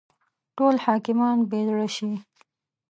ټول حاکمان بې زړه شي.